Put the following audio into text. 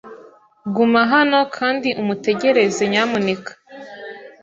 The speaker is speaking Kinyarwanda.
Guma hano kandi umutegereze, nyamuneka.